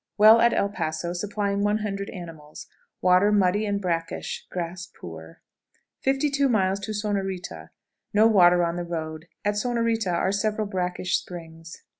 Well at El Paso supplying 100 animals; water muddy and brackish; grass poor. 52.00. Sonorita. No water on the road; at Sonorita are several brackish springs.